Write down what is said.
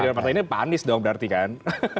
tidak berpartai ini panis dong berarti kan